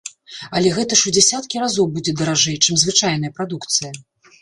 Але гэта ж у дзясяткі разоў будзе даражэй, чым звычайная прадукцыя!